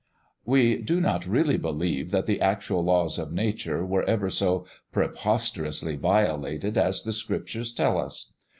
We do not really believe that the actual laws of nature were ever so preposterously violated as the Scriptures tell us.